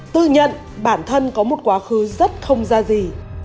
tự nhận bản thân có một quá khứ rất không ra gì